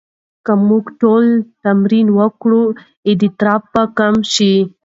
که موږ ټول تمرین وکړو، اضطراب به کم شي.